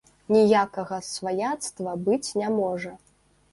Ніякага сваяцтва быць не можа.